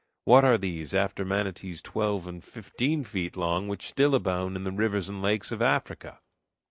What are these, after manatees twelve and fifteen feet long, which still abound in the rivers and lakes of Africa?